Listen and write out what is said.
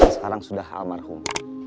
sekarang sudah almarhum